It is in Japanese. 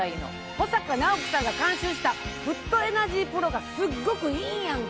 保阪尚希さんが監修したフットエナジープロがすっごくいいやんか。